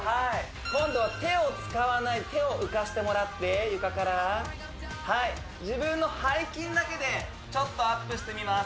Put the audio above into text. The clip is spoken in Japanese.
今度は手を使わない手を浮かしてもらって床からはい自分の背筋だけでちょっとアップしてみます